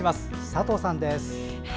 佐藤さんです。